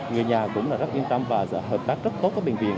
người nhà cũng rất yên tâm và hợp tác rất tốt với bệnh viện